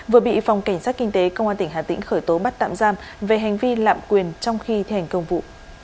vừa bị phòng cảnh sát kinh tế công an tỉnh hà tĩnh khởi tố bắt tạm giam về hành vi lạm quyền trong khi thi hành công vụ